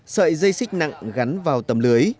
sợi dây xích nặng gắn vào tấm lưới